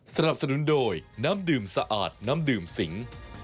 สนับสนุนโดยน้ำดื่มสะอาดน้ำดื่มสิง